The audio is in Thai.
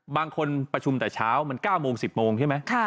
บางคนประชุมแต่เช้ามัน๙โมง๑๐โมงใช่ไหม